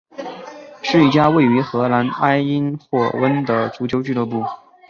是一家位于荷兰埃因霍温的足球俱乐部。